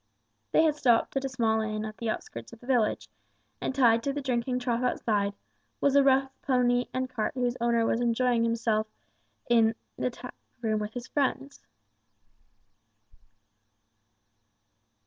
They had stopped at a small inn at the outskirts of the village; and tied to the drinking trough outside, was a rough pony and cart whose owner was enjoying himself in the tap room with his friends.